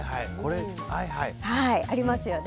ありますよね。